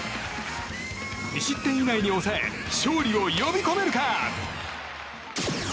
２失点以内に抑え勝利を呼び込めるか。